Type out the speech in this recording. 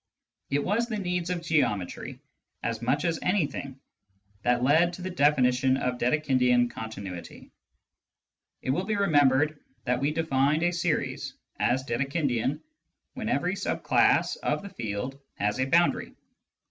It was the needs of geometry, as much as anything, that led to the definition of " Dedekindian " continuity. It will be re membered that we defined a series as Dedekindian when every sub class of the field has a boundary.